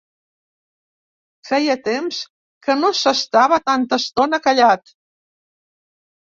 Feia temps que no s'estava tanta estona callat.